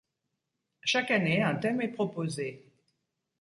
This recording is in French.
Chaque année un thème est proposé.